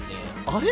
あれ？